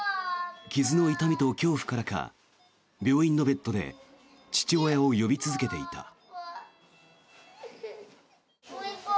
傷の痛みと恐怖からか病院のベッドで父親を呼び続けていた。